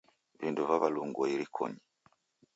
Vindo vaw'alungua irikonyi.